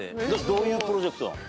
どういうプロジェクトなの？